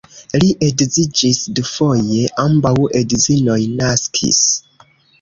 Li edziĝis dufoje, ambaŭ edzinoj naskis.